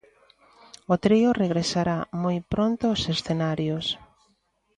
O trío regresará moi pronto aos escenarios.